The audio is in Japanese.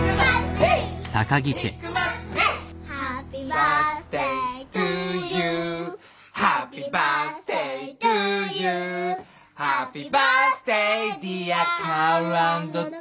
「ハッピーバースデートゥーユー」「ハッピーバースデートゥーユー」「ハッピーバースデーディア薫＆友樹」